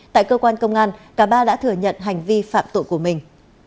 tại cơ quan công an cả ba đã thừa nhận hành vi phạm tội của mình